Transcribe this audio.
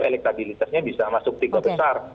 elektabilitasnya bisa masuk tiga besar